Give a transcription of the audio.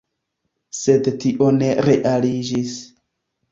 Sed tio ne realiĝis.